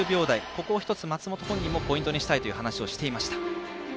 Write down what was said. ここを一つ、松元本人もポイントにしたい話をしていました。